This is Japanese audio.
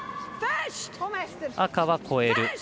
赤は越える。